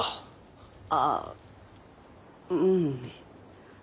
ああうん。